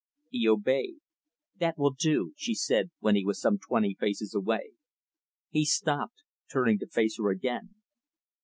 He obeyed. "That will do," she said, when he was some twenty paces away. He stopped, turning to face her again.